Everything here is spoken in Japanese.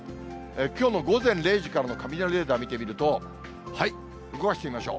きょうの午前０時からの雷レーダー見てみると、動かしてみましょう。